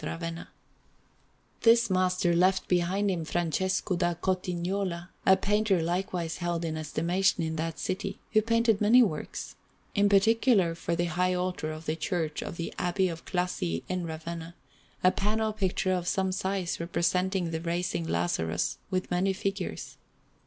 Ravenna: Accademia_) Alinari] This master left behind him Francesco da Cotignola, a painter likewise held in estimation in that city, who painted many works; in particular, for the high altar of the Church of the Abbey of Classi in Ravenna, a panel picture of some size representing the Raising of Lazarus, with many figures.